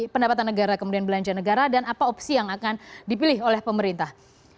pendapatan negara kemudian belanja negara dan apa opsi yang akan dipilih oleh pemerintah